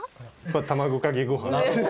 卵かけごはんです。